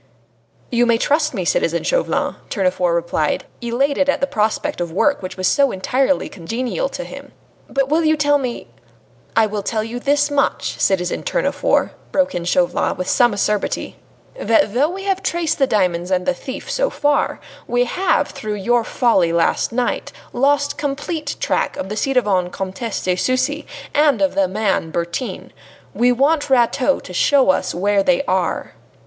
"You may trust me, citizen Chauvelin," Tournefort replied, elated at the prospect of work which was so entirely congenial to him. "But will you tell me " "I will tell you this much, citizen Tournefort," broke in Chauvelin with some acerbity, "that though we have traced the diamonds and the thief so far, we have, through your folly last night, lost complete track of the ci devant Comtesse de Sucy and of the man Bertin. We want Rateau to show us where they are."